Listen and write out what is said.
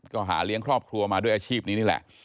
ก็หาเลี้ยงครอบครัวมาด้วยอาชีพนี้นี่แหละ